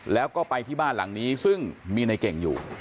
แล้วก็ไปที่บ้านหลังนี้ซึ่งมีในเก่งอยู่